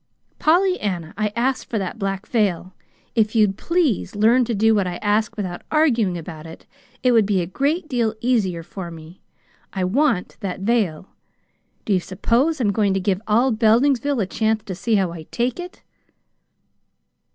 "Pollyanna, I asked for that black veil. If you'd please learn to do what I ask without arguing about it, it would be a great deal easier for me. I want that veil. Do you suppose I'm going to give all Beldingsville a chance to see how I 'take it'?"